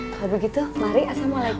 kalau begitu mari assalamualaikum